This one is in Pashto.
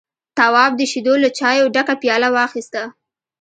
تواب د شيدو له چايو ډکه پياله واخيسته.